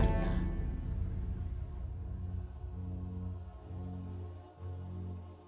dan menerima pembunuhan dari jenderal sudirman